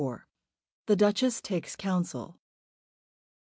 THE DUCHESS TAKES COUNSEL.